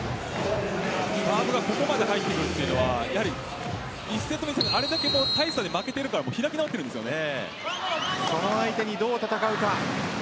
サーブがここまで入ってくるというのは１セット目、あれだけ大差で負けているからその相手にどう戦っていくか。